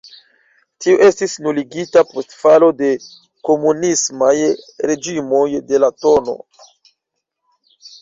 Tiu estis nuligita post falo de komunismaj reĝimoj de la tn.